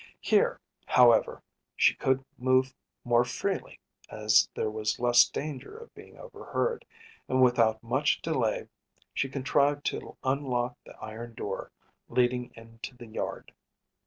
Here, however, she could move more freely, as there was less danger of being overheard; and without much delay she contrived to unlock the iron door leading into the yard.